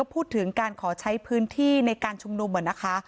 พูดถึงการขอใช้พื้นที่ในการชุมนุมนะคะ